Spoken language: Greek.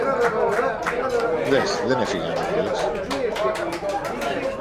Δες, δεν έφυγαν όλες